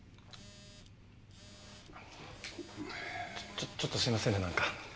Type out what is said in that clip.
ちょっちょっとすいませんねなんか。